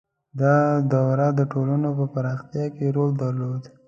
• دا دوره د ټولنو په پراختیا کې رول درلود.